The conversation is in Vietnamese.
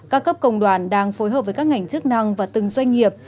các cấp công đoàn đang phối hợp với các ngành chức năng và từng doanh nghiệp